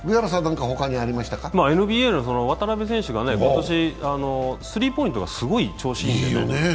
ＮＢＡの渡邉選手が今年、スリーポイントがすごい調子いいんです。